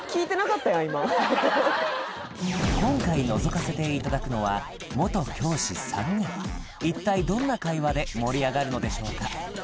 今回のぞかせていただくのは元教師３人一体どんな会話で盛り上がるのでしょうか